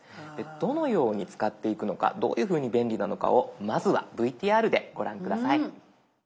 どのように使っていくのかどういうふうに便利なのかをまずはＶＴＲでご覧下さい。